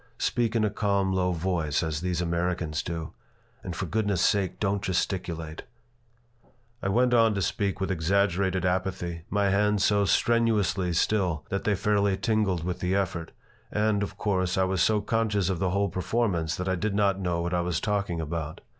"Speak in a calm, low voice, as these Americans do. And for goodness' sake don't gesticulate!" I went on to speak with exaggerated apathy, my hands so strenuously still that they fairly tingled with the effort, and, of course, I was so conscious of the whole performance that I did not know what I was talking about.